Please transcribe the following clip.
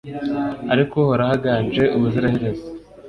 ariko uhoraho aganje ubuziraherezo